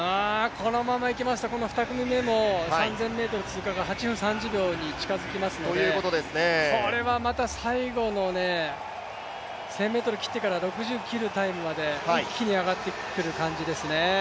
このままいきますと、この２組目も３０００ｍ通過が８分３０秒に近づきますので、これはまた最後の１０００ｍ切ってから６０切るタイムまで一気に上がってくる感じですね。